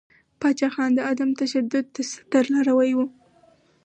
پاچاخان د عدم تشدد ستر لاروی ؤ.